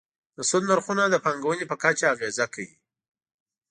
د سود نرخونه د پانګونې په کچه اغېزه کوي.